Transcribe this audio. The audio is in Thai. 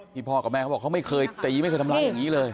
พ่อกับแม่เขาบอกเขาไม่เคยตีไม่เคยทำร้ายอย่างนี้เลย